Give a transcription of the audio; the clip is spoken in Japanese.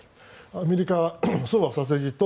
アメリカはそうはさせじと